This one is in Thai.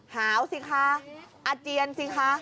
หาวสิคะอาเจียนสิคะ